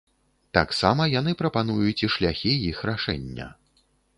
Таксама яны прапануюць і шляхі іх рашэння.